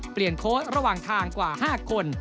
เปลี่ยนโค้ดระหว่างทางกว่า๕คน